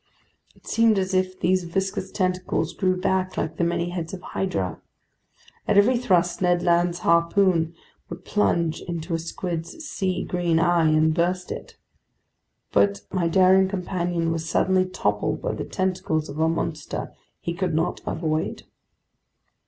It seemed as if these viscous tentacles grew back like the many heads of Hydra. At every thrust Ned Land's harpoon would plunge into a squid's sea green eye and burst it. But my daring companion was suddenly toppled by the tentacles of a monster he could not avoid.